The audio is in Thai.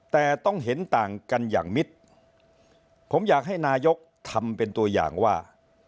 แต่ต้องเห็นต่างกันอย่างมิดผมอยากให้นายกทำเป็นตัวอย่างว่า